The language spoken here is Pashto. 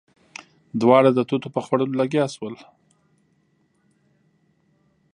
دواړه د توتو په خوړلو لګيا شول.